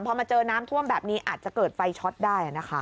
พอมาเจอน้ำท่วมแบบนี้อาจจะเกิดไฟช็อตได้นะคะ